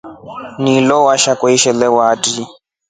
Nilo washa kwa ishelewa atri.